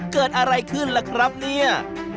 เกิดอะไรขึ้นล่ะครับเนี่ย